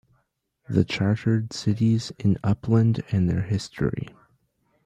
The chartered Cities in Uppland and their history.